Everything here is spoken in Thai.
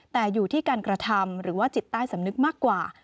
แต่อยู่ที่การกระทำหรือว่าจิตใต้สำนึกมากกว่า